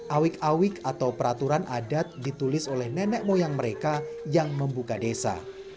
awik awik atau peraturan adat ditulis oleh nenek moyang mereka yang membuka desa